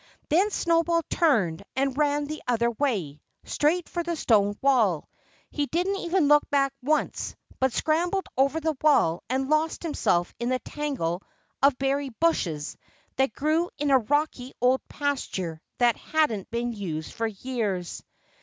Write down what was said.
Then Snowball turned and ran the other way, straight for the stone wall. He didn't even look back once, but scrambled over the wall and lost himself in the tangle of berry bushes that grew in a rocky old pasture that hadn't been used for years.